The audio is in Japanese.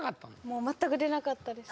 もう全く出なかったです